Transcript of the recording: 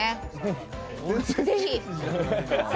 ぜひ。